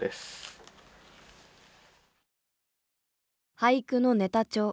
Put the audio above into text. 俳句のネタ帳。